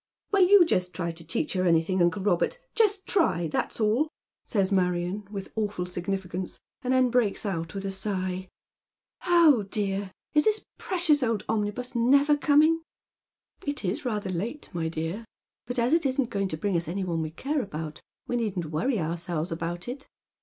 " Well, you junt try to teach her anything, uncle Robert — just try — that's all," says Marion, with awful significance, and then breaks out with a sigh, " Oh dear, is this precious old omnibiis never coming ?"" It is rather late, my dear. But as it isn't going to bring us any one we care about, we needn't worry ourselves about it."